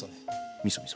みそみそ。